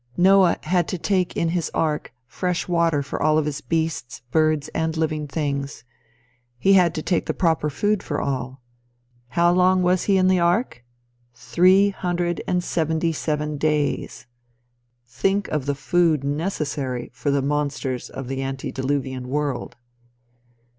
Noah had to take in his ark fresh water for all his beasts, birds and living things. He had to take the proper food for all. How long was he in the ark? Three hundred and seventy seven days! Think of the food necessary for the monsters of the ante diluvian world!